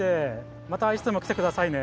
またいつでもきてくださいね！